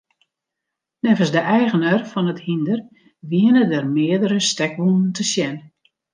Neffens de eigener fan it hynder wiene der meardere stekwûnen te sjen.